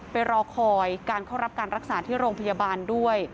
รอคอยการเข้ารับการรักษาที่โรงพยาบาลด้วย